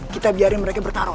kita biarin mereka bertarung